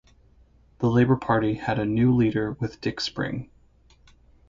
The Labour Party had a new leader with Dick Spring.